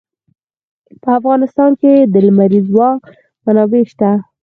په افغانستان کې د لمریز ځواک منابع شته.